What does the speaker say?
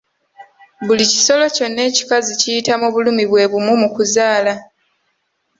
Buli kisolo kyonna ekikazi kiyita mu bulumi bwebumu mu kuzaala.